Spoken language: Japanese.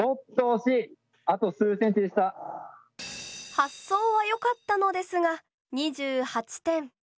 発想は良かったのですが２８点。